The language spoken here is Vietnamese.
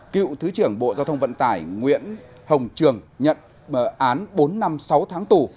cựu thứ trưởng bộ giao thông vận tải nguyễn hồng trường nhận án bốn năm sáu tháng tù